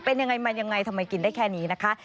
เป็นยังไงมายังไงทำไมกินได้แค่นี้นะคะ